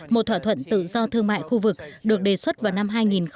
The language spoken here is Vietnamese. một thỏa thuận tự do thương mại khu vực được đề xuất vào năm hai nghìn một mươi năm